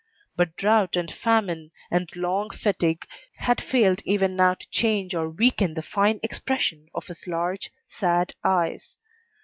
But drought and famine and long fatigue had failed even now to change or weaken the fine expression of his large, sad eyes.